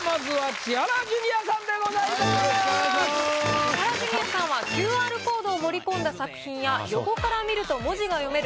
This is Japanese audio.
千原ジュニアさんはＱＲコードを盛り込んだ作品や横から見ると文字が読める